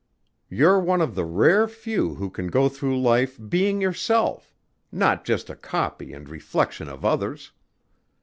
You're one of the rare few who can go through life being yourself not just a copy and reflection of others.